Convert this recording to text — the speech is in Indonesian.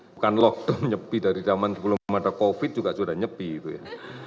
bukan lockdown nyepi dari zaman sebelum ada covid juga sudah nyepi itu ya